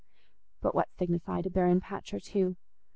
But what signified a barren patch or two?